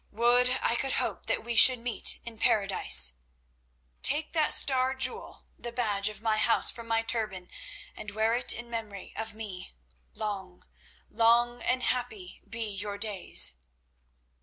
Would I could hope that we should meet in Paradise! Take that star jewel, the badge of my House, from my turban and wear it in memory of me. Long, long and happy be your days."